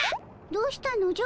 どうしたのじゃ？